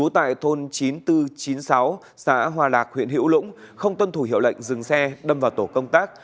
tại thôn chín mươi bốn chín mươi sáu xã hòa lạc huyện hữu lũng không tuân thủ hiệu lệnh dừng xe đâm vào tổ công tác